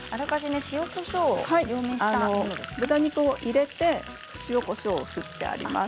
豚肉を入れて、塩、こしょうを振ってあります。